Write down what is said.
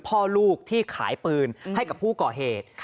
พ่อลูกที่ขายปืนให้กับผู้ก่อเหตุ